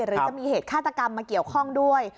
หรือจะมีเหตุฆาตกรรมมาเกี่ยวข้องด้วย